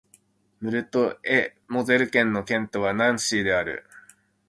ムルト＝エ＝モゼル県の県都はナンシーである